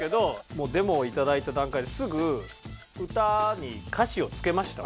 もうデモを頂いた段階ですぐ歌に歌詞を付けました。